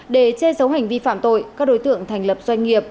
để che giấu hành vi phạm tội các đối tượng thành lập doanh nghiệp